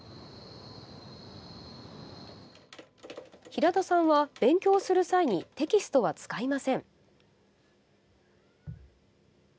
平田さんは勉強する際にテキストは使いません。